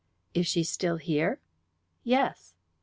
"Is she still here?" "Yes."